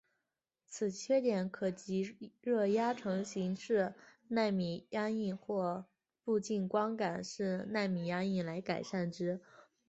此缺点可藉热压成形式奈米压印或步进光感式奈米压印来改善之。